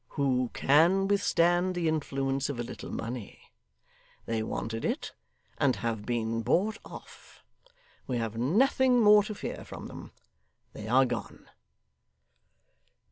Who CAN withstand the influence of a little money! They wanted it, and have been bought off. We have nothing more to fear from them. They are gone.